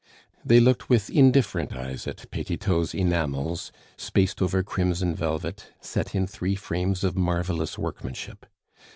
They looked with indifferent eyes at Petitot's enamels, spaced over crimson velvet, set in three frames of marvelous workmanship.